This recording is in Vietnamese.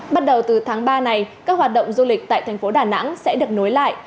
bắt đầu từ tháng ba này các hoạt động du lịch tại thành phố đà nẵng sẽ được nối lại